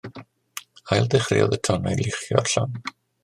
Ail ddechreuodd y tonnau luchio'r llong.